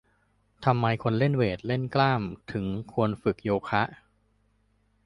ทำไมคนเล่นเวต เล่นกล้าม ถึงควรฝึกโยคะ